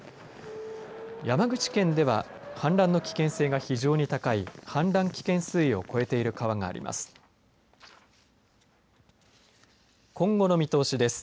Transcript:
山口県では氾濫の危険性が非常に高い氾濫危険水位を超えている川があります。